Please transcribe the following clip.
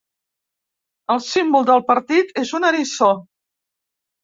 El símbol del partit és un eriçó.